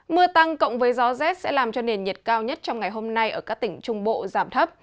mưa tăng cộng với gió rét sẽ làm cho nền nhiệt cao nhất trong ngày hôm nay ở các tỉnh trung bộ giảm thấp